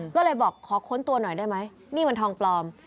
ก็เลยบอกขอค้นตัวหน่อยได้ไหมนี่มันทองปลอม